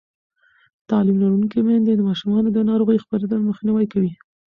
تعلیم لرونکې میندې د ماشومانو د ناروغۍ خپرېدل مخنیوی کوي.